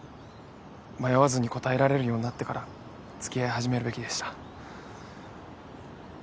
迷わずに答えられるようになってから付き合い始めるべきでした。